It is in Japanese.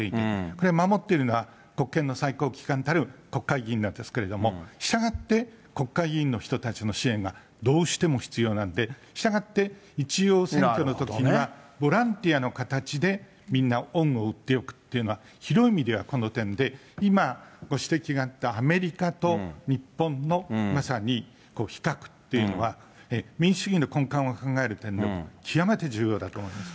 これ、守っているのは国権の最高機関たる国会議員なんですけれども、したがって、国会議員の人たちの支援がどうしても必要なんで、したがって、一応、選挙のときには、ボランティアの形でみんな恩を売っておくというのは、広い意味では、この点で、今、ご指摘があったアメリカと日本のまさに比較っていうのは、民主主義の根幹を考える点では極めて重要だと思います。